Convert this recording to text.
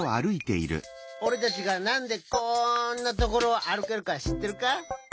おれたちがなんでこんなところをあるけるかしってるか？